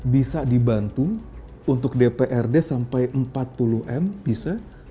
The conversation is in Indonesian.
bisa dibantu untuk dprd sampai empat puluh m bisa